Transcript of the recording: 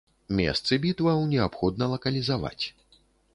Месцы бітваў неабходна лакалізаваць.